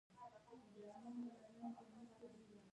پیرودونکي د بانک له خدماتو څخه رضایت لري.